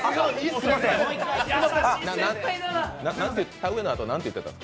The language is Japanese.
田植えのあと、何て言ってたの？